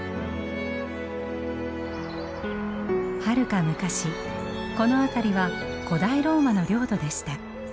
はるか昔この辺りは古代ローマの領土でした。